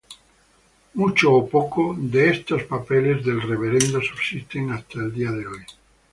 Mucho o poco, de estos papeles del Reverendo subsisten hasta el día de hoy.